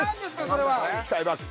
これは。